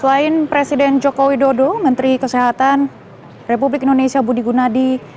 selain presiden joko widodo menteri kesehatan republik indonesia budi gunadi